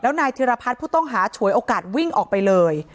นายธิรพัฒน์ผู้ต้องหาฉวยโอกาสวิ่งออกไปเลย